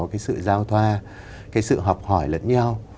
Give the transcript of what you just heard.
cái sự giao thoa cái sự học hỏi lẫn nhau